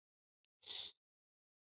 ـ ما شمس الدين ژاړو